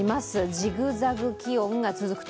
ジグザグ気温が続くと。